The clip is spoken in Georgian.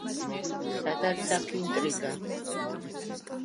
სად არის აქ ინტრიგა?